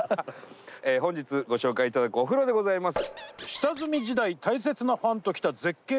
本日ご紹介頂くお風呂でございます。